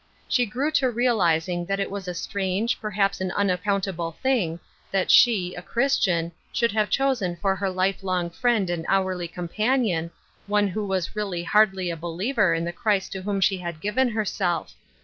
She grew to realizing that it was a straoge, perhaps an unaccountable thing that she, a Christian, should have chosen for her life long friend and hourly companion one who was really hardly a believer in the Christ to whom she had given herself.